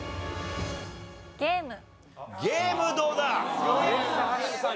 ゲームどうだ？